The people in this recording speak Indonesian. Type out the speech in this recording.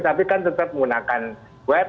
tapi kan tetap menggunakan web